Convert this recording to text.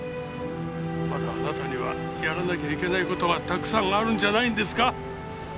まだあなたにはやらなきゃいけない事がたくさんあるんじゃないんですか？